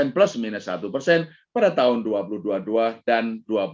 plus minus satu persen pada tahun dua ribu dua puluh dua dan dua ribu dua puluh dua